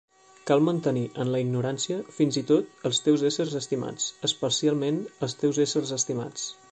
Cal mantenir en la ignorància fins i tot els teus éssers estimats, especialment els teus éssers estimats.